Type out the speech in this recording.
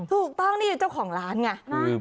ถูกต้องนี่เจ้าของร้านไง